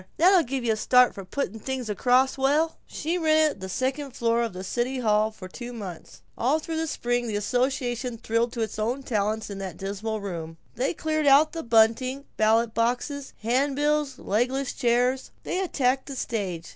That'll give you a start for putting the thing across swell!" She rented the second floor of the city hall for two months. All through the spring the association thrilled to its own talent in that dismal room. They cleared out the bunting, ballot boxes, handbills, legless chairs. They attacked the stage.